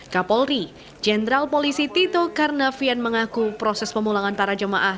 kapolri jenderal polisi tito karnavian mengaku proses pemulangan para jemaah